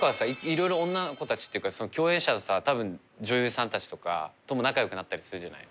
いろいろ女の子たちっていうか共演者のさ多分女優さんたちとかとも仲良くなったりするじゃない？